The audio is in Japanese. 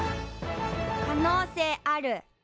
可能性ある。